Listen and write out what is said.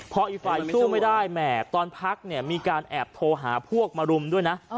พออีกฝ่ายสู้ไม่ได้แหม่ตอนพักเนี่ยมีการแอบโทรหาพวกมารุมด้วยนะ